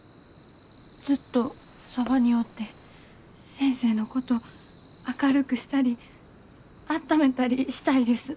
ずっとそばにおって先生のこと明るくしたりあっためたりしたいです。